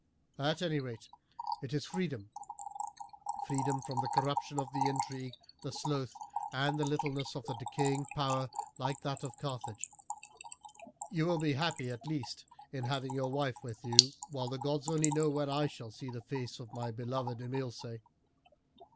At any rate it is freedom freedom from the corruption, the intrigue, the sloth, and the littleness of a decaying power like that of Carthage. You will be happy at least in having your wife with you, while the gods only know when I shall see the face of my beloved Imilce.